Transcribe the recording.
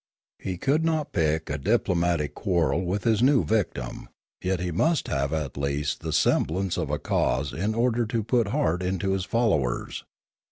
He could not pick a diplo matic quarrel with his new victim; yet he must have at least the semblance of a cause in order to put heart into his followers.